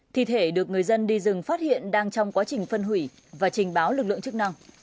thi thể được người dân đi rừng phát hiện đang trong quá trình phân hủy và trình báo lực lượng chức năng